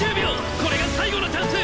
これが最後のチャンス。